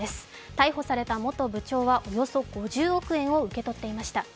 逮捕された元部長はおよそ５０億円を受け取っていました。